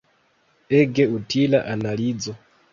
Ege utila analizo!